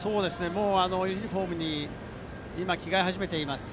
ユニホームに今、着替え始めています。